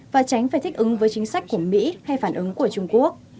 và tránh phải thích ứng với chính sách của mỹ hay phản ứng của trung quốc